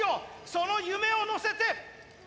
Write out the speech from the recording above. その夢を乗せて。